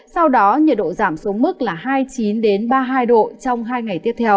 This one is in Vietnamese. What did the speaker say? sau đó nhiệt độ giảm xuống mức là hai mươi chín ba mươi hai độ trong hai ngày tiếp theo